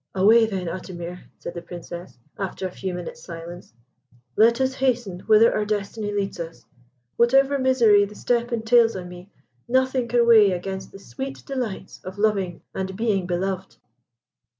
"Away, then, Atimir," said the Princess, after a few minutes' silence. "Let us hasten whither our destiny leads us. Whatever misery the step entails on me, nothing can weigh against the sweet delights of loving and being beloved."